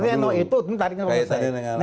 nenno itu ntar ngerusain